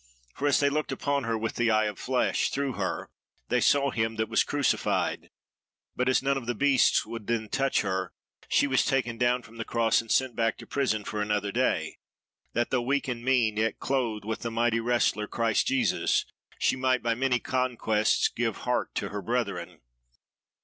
For as they looked upon her with the eye of flesh, through her, they saw Him that was crucified. But as none of the beasts would then touch her, she was taken down from the Cross, and sent back to prison for another day: that, though weak and mean, yet clothed with the mighty wrestler, Christ Jesus, she might by many conquests give heart to her brethren.